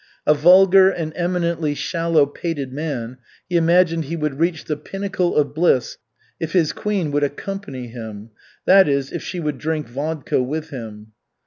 A vulgar and eminently shallow pated man, he imagined he would reach the pinnacle of bliss if his queen would "accompany" him, that is, if she would drink vodka with him.